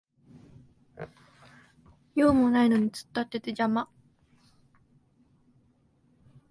用もないのに突っ立ってて邪魔